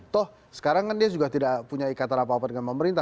toh sekarang kan dia juga tidak punya ikatan apa apa dengan pemerintah